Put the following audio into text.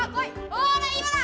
ほら今だ！